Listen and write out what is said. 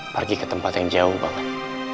pergi ke tempat yang jauh banget